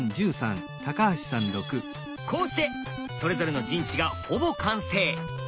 こうしてそれぞれの陣地がほぼ完成。